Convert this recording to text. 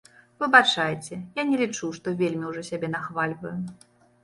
Выбачайце, я не лічу, што вельмі ўжо сябе нахвальваю.